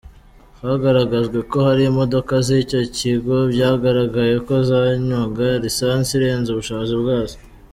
Hagaragajwe ko hari imodoka z’icyo kigo byagaragaye ko zanywaga lisansi irenze ubushobozi bwazo.